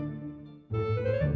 aku mau nyempetin